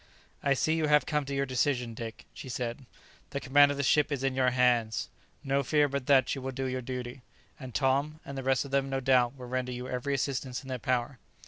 "I see you have come to your decision, Dick," she said. "The command of the ship is in your hands; no fear but that you will do your duty; and Tom, and the rest of them, no doubt, will render you every assistance in their power."